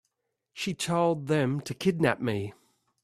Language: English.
She told them to kidnap me.